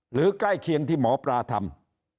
ใกล้เคียงที่หมอปลาทำ